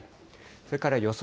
それから予想